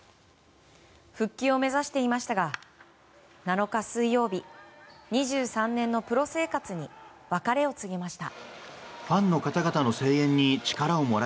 復帰を目指していましたが７日、水曜日２３年のプロ生活に別れを告げました。